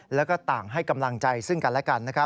และต่างให้กำลังใจซึ่งกันและกัน